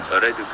ở đây thực sự